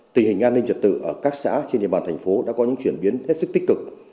tình hình an ninh trật tự ở các xã trên địa bàn thành phố đã có những chuyển biến hết sức tích cực